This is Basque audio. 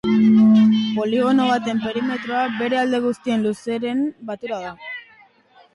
Poligono baten perimetroa bere alde guztien luzeren batura da.